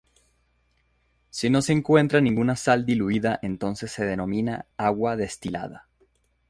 Si no se encuentra ninguna sal diluida entonces se denomina agua destilada.